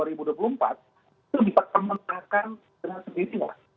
itu bisa dikemenangkan dengan sejati